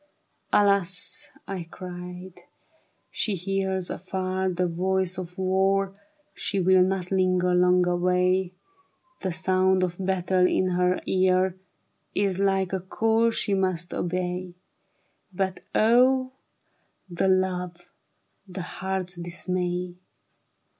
" Alas," I cried, " she hears afar I'he voice of war ; She will not linger long away ; The sound of battle in her ear Is like a call she must obey :" But O the love, the heart's dismay